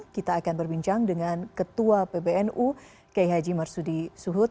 kita akan berbincang dengan ketua pbnu kiai haji marsudi suhud